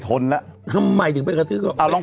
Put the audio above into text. ตอนรึ้งผมเค้ามาข้อไปซื้อของ